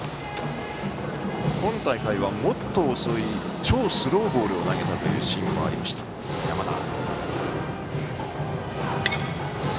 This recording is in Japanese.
今大会はもっと遅い、超スローボールを投げたシーンもありました、山田。